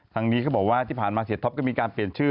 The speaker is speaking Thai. ทางนี้เขาบอกว่าที่ผ่านมาเสียท็อปก็มีการเปลี่ยนชื่อ